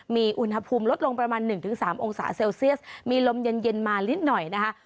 มีอุณหภูมิลดลงประมาณ๑๓องศาเซลเซียสมีลมเย็นมานิดหน่อยนะคะ